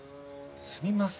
すみません